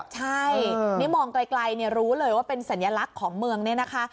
ใช่นี่มองไกลรู้เลยว่าเป็นสัญลักษณ์ของเมืองเนี่ยนะคะ